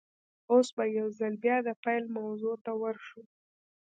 اوس به يوځل بيا د پيل موضوع ته ور شو.